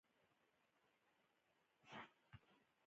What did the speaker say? اراکوزیا د کندهار پخوانی نوم و